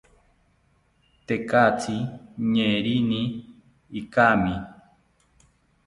Tekatzi ñeerini ikami